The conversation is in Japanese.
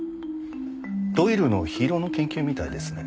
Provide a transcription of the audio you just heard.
ドイルの『緋色の研究』みたいですね。